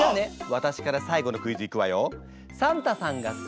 私から最後のクイズいくわよ。